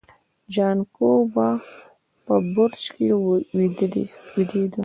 جانکو به په برج کې ويدېده.